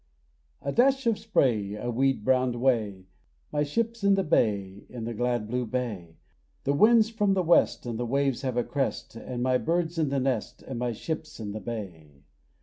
A dash of spray, A weed browned way, My ship's in the bay, In the glad blue bay, The wind's from the west And the waves have a crest, But my bird's in the nest And my ship's in the bay!